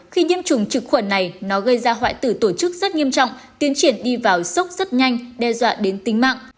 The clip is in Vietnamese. khi nhiễm trùng trực khuẩn này nó gây ra hoại tử tổ chức rất nghiêm trọng tiến triển đi vào sốc rất nhanh đe dọa đến tính mạng